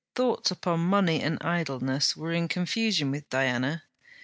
Thoughts upon money and idleness were in confusion with Diana.